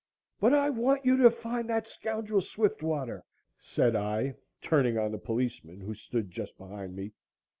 ] "But I want you to find that scoundrel Swiftwater!" said I, turning on the policeman, who stood just behind me.